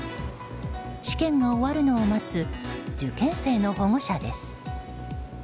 試験が終わるのを待つ受験生の保護者です。